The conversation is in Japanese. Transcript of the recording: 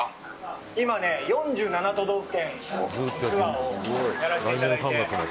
今４７都道府県ツアーをやらせていただいて。